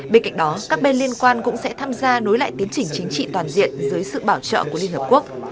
bên cạnh đó các bên liên quan cũng sẽ tham gia nối lại tiến trình chính trị toàn diện dưới sự bảo trợ của liên hợp quốc